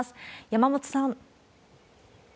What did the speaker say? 山本さん。